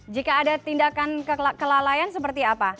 jika ada tindakan kelalaian seperti apa